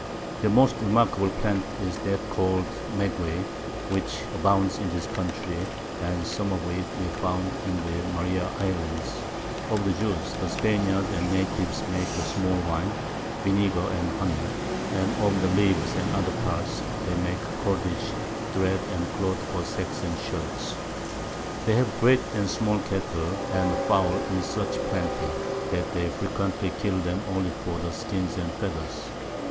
Their most remarkable Plant is that call'd Maguey, which abounds in this Country, and some of it we found in the Maria Islands; of the Juice the Spaniards and Natives make a small Wine, Vinegar, and Honey; and of the Leaves and other Parts they make Cordage, Thread, and Cloth for Sacks and Shirts. They have great and small Cattle, and Fowl in such plenty, that they frequently kill them only for the Skins and Feathers.